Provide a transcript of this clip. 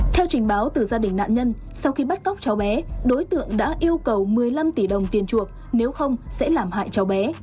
theo trình báo từ gia đình nạn nhân sau khi bắt cóc cháu bé đối tượng đã yêu cầu một mươi năm tỷ đồng tiền chuộc nếu không sẽ làm hại cháu bé